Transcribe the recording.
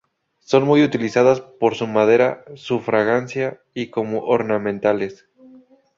Son muy utilizadas por su madera, su fragancia, y como ornamentales.